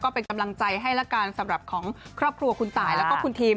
เป็นกำลังใจให้ละกันสำหรับของครอบครัวคุณตายแล้วก็คุณทีม